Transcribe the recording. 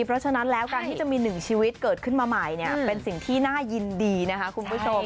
เพราะฉะนั้นแล้วการที่จะมีหนึ่งชีวิตเกิดขึ้นมาใหม่เนี่ยเป็นสิ่งที่น่ายินดีนะคะคุณผู้ชม